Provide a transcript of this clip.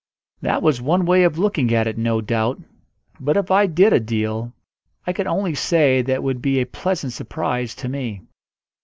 That was one way of looking at it, no doubt; but if I did a deal, I could only say that it would be a pleasant surprise to me.